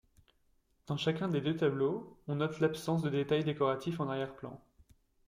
Dans chacun des deux tableaux, on note l'absence de détail décoratif en arrière-plan.